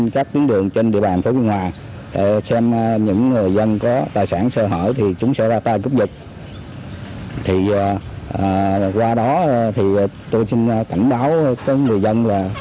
cảnh báo cho người dân là